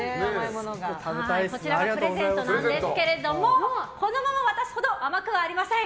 こちらプレゼントなんですけどもこのまま渡すほど甘くはありません。